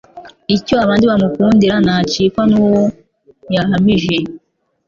Icyo abandi bamukundira ntacikwa n'uwo yahamije.